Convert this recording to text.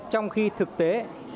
trong khi thực tế